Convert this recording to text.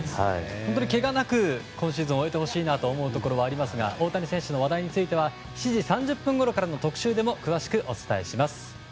けがなく今シーズン終えてほしいなと思うところはありますが大谷選手の話題については７時３０分ごろからの特集でも詳しくお伝えします。